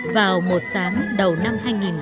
vào một sáng đầu năm hai nghìn một mươi tám